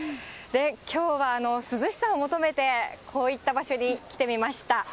きょうは涼しさを求めて、こういった場所に来てみました。